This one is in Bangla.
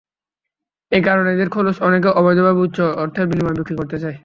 এ কারণে এদের খোলস অনেকে অবৈধভাবে উচ্চ অর্থের বিনিময়ে বিক্রি করতে চায়।